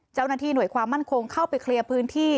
เจ้าหน้าที่หน่วยความมั่นคงเข้าไปเคลียร์พื้นที่